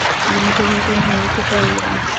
আমি তোমাকে হারাতে পারব না।